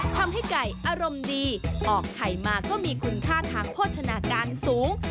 ทำให้ไก่อารมณ์ดีออกไข่มาก็มีคุณค่าทางโภชนาการสูง